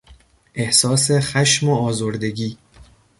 احساس خشم و آزردگی